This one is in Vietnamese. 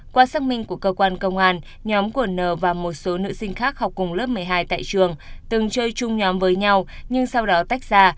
qua xác minh của cơ quan công an nhóm của n và một số nữ sinh khác học cùng lớp một mươi hai tại trường từng chơi chung nhóm với nhau nhưng sau đó tách ra